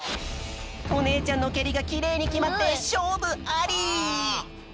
おねえちゃんのけりがきれいにきまってしょうぶあり！